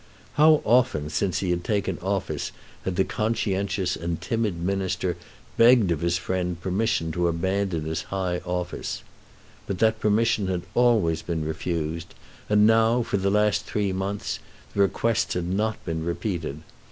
How often since he had taken office had the conscientious and timid Minister begged of his friend permission to abandon his high office! But that permission had always been refused, and now, for the last three months, the request had not been repeated.